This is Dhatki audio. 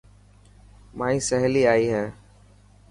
مائي سهيلي آئي هي.